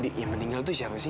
yang meninggal itu siapa sih